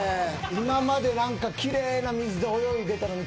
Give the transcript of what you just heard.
今まで奇麗な水で泳いでたのに。